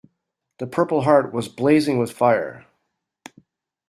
The purple heart was blazing with fire.